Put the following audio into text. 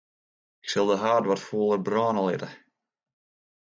Ik sil de hurd wat fûler brâne litte.